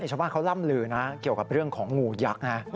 ชาวบ้านเขาล่ำลือนะเกี่ยวกับเรื่องของงูยักษ์นะ